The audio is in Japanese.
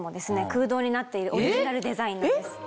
空洞になっているオリジナルデザインなんです。